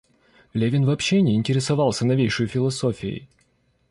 Левин вообще не интересовался новейшею философией.